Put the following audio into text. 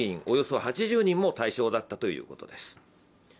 およそ８０人も対象だったということです。